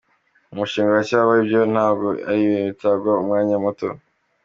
Umushinga uracyariho … ibyo ntabwo ari ibintu bitwara umwanya muto.